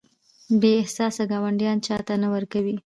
بې احساسه ګاونډیان چاته نه ورکوي.